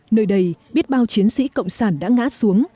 nơi đây biết bao chiến sĩ cộng sản đã ngã xuống